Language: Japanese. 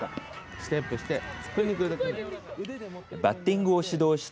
ステップして。